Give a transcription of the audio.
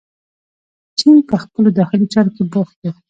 چین په خپلو داخلي چارو کې بوخت و.